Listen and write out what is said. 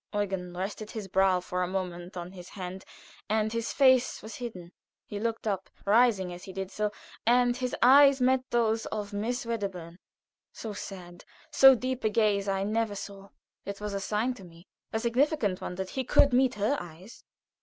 Eugen rested his brow for a moment on his hand, and his face was hidden. He looked up, rising as he did so, and his eyes met those of Miss Wedderburn. So sad, so deep a gaze I never saw. It was a sign to me, a significant one, that he could meet her eyes.